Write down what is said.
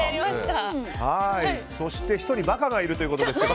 そして１人馬鹿がいるということですが。